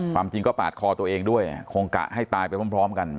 ความจริงก็ปาดคอตัวเองด้วยคงกะให้ตายไปพร้อมกัน